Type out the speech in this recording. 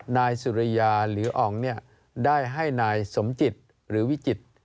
นายสุริยาหรืออ่องได้ให้นายสมจิตหรือวิจิตร